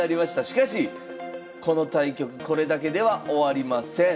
しかしこの対局これだけでは終わりません。